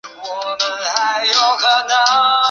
不会有很突兀的转折